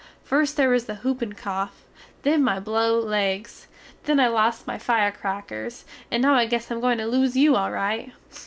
Fust their was the hoopincoff, then my blew legs, then I lost my firecrakers, and now I guess I am going to lose you al rite.